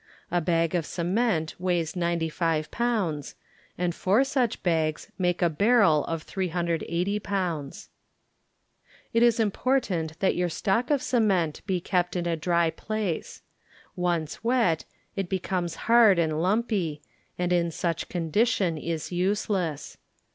A bag of cement weighs 95 pounds, and four such bags make a barrel of 380 pounds. It is important that your stock of cement be kept in a dry place. Once wet, it becomes hard and lumpy, and in such condition is useless.